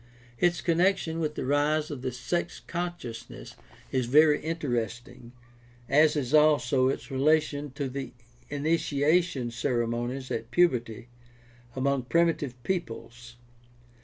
Its connection with the rise of the sex consciousness is very interesting, as is also its relation to the initiation ceremonies at puberty among primitive peoples.